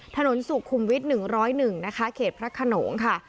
ถนนสุขุมวิทย์๑๐๑นะคะเขตพระขนงค่ะ